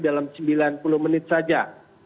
dalam sembilan puluh menit saja